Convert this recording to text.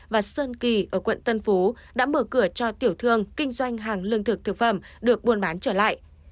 và sơn kỳ ở quận tân phú đã mở cửa cho tiểu thương kinh doanh hàng lương thực thực phẩm được buôn bán trở lại